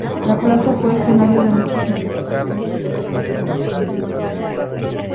La plaza fue escenario de muchas manifestaciones y protestas revolucionarias.